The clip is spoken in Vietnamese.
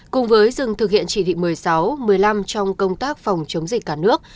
cùng với dừng thực hiện chỉ thị một mươi sáu một mươi năm trong công tác phòng chống dịch cả nước